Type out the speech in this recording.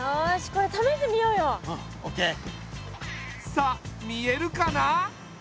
さあ見えるかな？